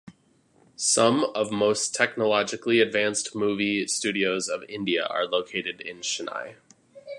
Some of most technologically advanced movie studios of India are located in Chennai.